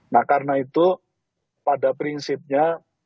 nah karena itu pada prinsipnya